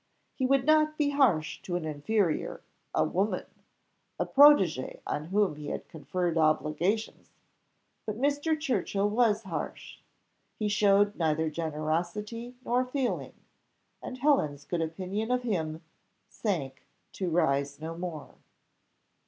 He would not be harsh to an inferior a woman a protegée on whom he had conferred obligations; but Mr. Churchill was harsh he showed neither generosity nor feeling; and Helen's good opinion of him sank to rise no more.